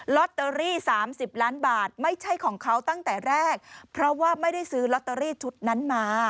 ลอตเตอรี่๓๐ล้านบาทไม่ใช่ของเขาตั้งแต่แรกเพราะว่าไม่ได้ซื้อลอตเตอรี่ชุดนั้นมา